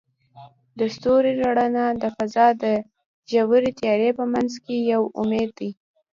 د ستوري رڼا د فضاء د ژورې تیارې په منځ کې یو امید دی.